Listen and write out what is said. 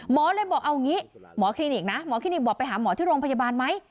เลยบอกเอาอย่างนี้หมอคลินิกนะหมอคลินิกบอกไปหาหมอที่โรงพยาบาลไหม